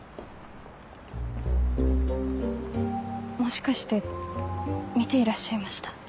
もしかして見ていらっしゃいました？